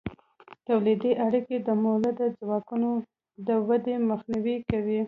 تولیدي اړیکې د مؤلده ځواکونو د ودې مخنیوی کوي.